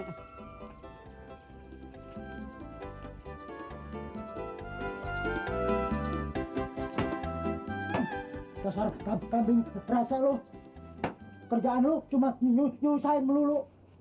dasar kambing rasa lo kerjaan lu cuma nyusahin melulu